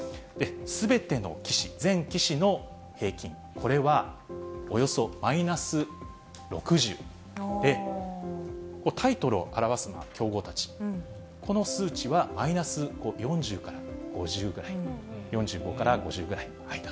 すべての棋士、全棋士の平均、これはおよそマイナス６０で、タイトルを表すのは強豪たち、この数値はマイナス４０から５０ぐらい、４５から５０ぐらいの間。